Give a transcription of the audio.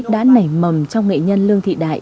đã nảy mầm trong nghệ nhân lương thị đại